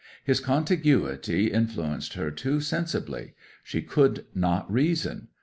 His contiguity influenced her too sensibly; she could not reason.